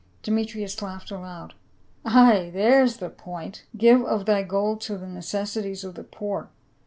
Demetrius laughed aloud. " Ay ! there's the point !' Give of thy gold to the necessities of the poor.'